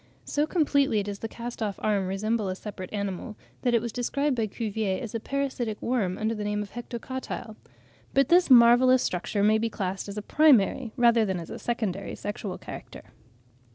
So completely does the cast off arm resemble a separate animal, that it was described by Cuvier as a parasitic worm under the name of Hectocotyle. But this marvellous structure may be classed as a primary rather than as a secondary sexual character.